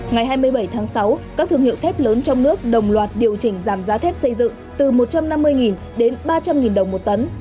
ngày hai mươi bảy tháng sáu các thương hiệu thép lớn trong nước đồng loạt điều chỉnh giảm giá thép xây dựng từ một trăm năm mươi đến ba trăm linh đồng một tấn